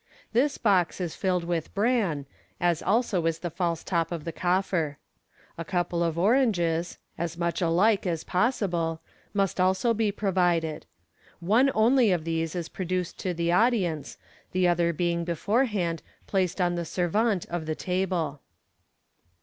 This box is filled with bran, as also is the false top of the coffer. A couple of oranges, as mucn alike as possible, must also be provided. One only of these is pro 336 MODERN MAGIC. duced to the audience, the other being beforehand placed on the tervante of the table.